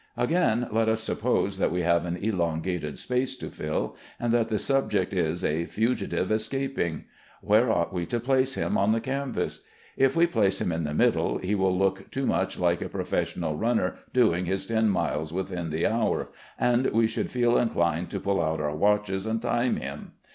Again, let us suppose that we have an elongated space to fill, and that the subject is a "fugitive escaping." Where ought we to place him on the canvas? If we place him in the middle, he will look too much like a professional runner doing his ten miles within the hour, and we should feel inclined to pull out our watches and time him.